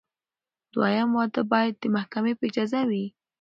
دویم واده باید د محکمې په اجازه وي.